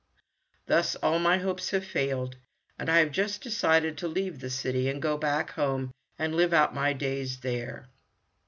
Thus all my hopes have failed, and I have just decided to leave the city and go back home and live out my days there."